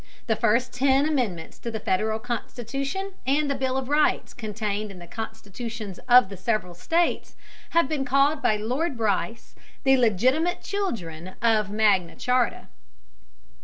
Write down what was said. The first ten amendments to the Federal Constitution and the Bill of Rights contained in the constitutions of the several states have been called by Lord Bryce "the legitimate children of Magna Charta."